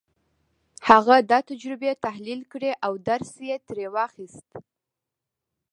هغه دا تجربې تحليل کړې او درس يې ترې واخيست.